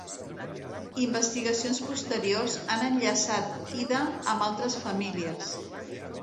Investigacions posteriors han enllaçat Ida amb altres famílies.